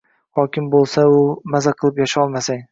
Hokim bo`lsang-u, maza qilib yasholmasang